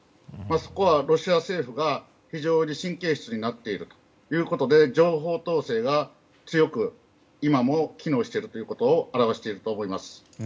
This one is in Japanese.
そこは、ロシア政府が非常に神経質になっているということで情報統制が強く今も機能しているということを表していると思います。